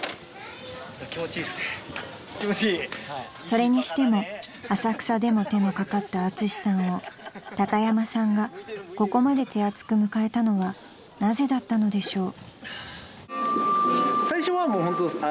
［それにしても浅草でも手のかかったアツシさんを高山さんがここまで手厚く迎えたのはなぜだったのでしょう］